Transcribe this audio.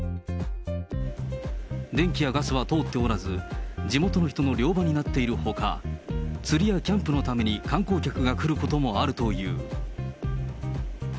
電気やガスは通っておらず、地元の人の漁場になっているほか、釣りやキャンプのために観光客が来ることもあるという。